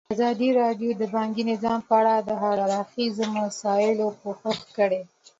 ازادي راډیو د بانکي نظام په اړه د هر اړخیزو مسایلو پوښښ کړی.